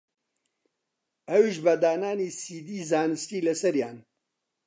ئەویش بە دانانی سیدی زانستی لەسەریان